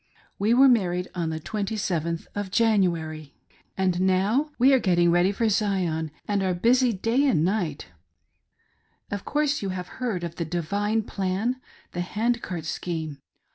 ,. We were married on the 27th of January. ««••••■•••■•••■•" And now we are getting ready for Zion, and are busy day and night Of course you have heard of the " Divine Plan "— the Hand Cart Scheme.